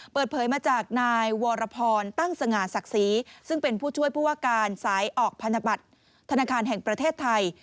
เปิดเผยมาจากนายวรพรตั้งสง่าศักดิ์ศรีซึ่งเป็นผู้ช่วยผู้ว่าการสายออกพันธบัตรธนาคารแห่งประเทศไทย